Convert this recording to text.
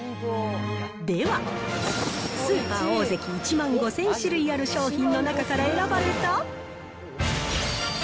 では、スーパーオオゼキ１万５０００種類ある商品の中から選ばれた。